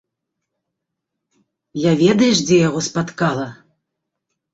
Я ведаеш дзе яго спаткала?